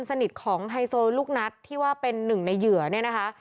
สนิทของไฮโซลูกนัดที่ว่าเป็นหนึ่งในเหยื่อเนี่ยนะคะ